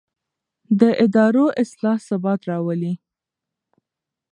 د ادارو اصلاح ثبات راولي